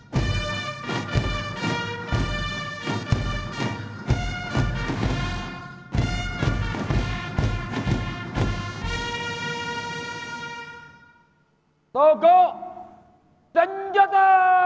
tanda kebesaran buka